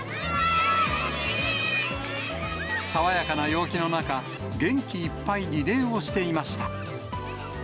爽やかな陽気の中、元気いっぱい、リレーをしていました。